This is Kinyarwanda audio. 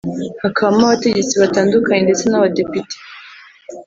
hakabamo abategetsi batandukanye ndetse n’abadepite